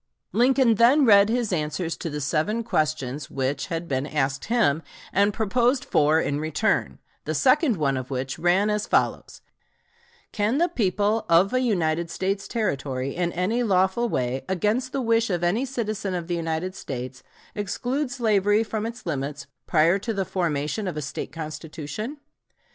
Lincoln then read his answers to the seven questions which, had been asked him, and proposed four in return, the second one of which ran as follows: "Can the people of a United States Territory, in any lawful way, against the wish of any citizen of the United States, exclude slavery from its limits, prior to the formation of a State constitution?"